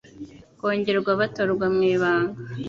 kongerwa Batorwa mu ibanga